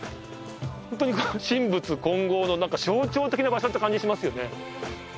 ホントに神仏混合の象徴的な場所って感じしますよね。